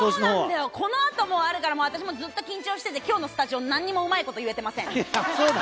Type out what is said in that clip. この後もあるから、私も緊張してて、きょうのスタジオ、何もうまいこと言えてません。